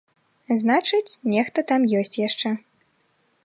Значыць, нехта там ёсць яшчэ.